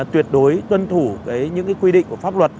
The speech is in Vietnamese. tuyệt đối tuân thủ những quy định của pháp luật